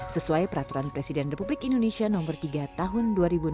sesuai peraturan presiden republik indonesia nomor tiga tahun dua ribu enam belas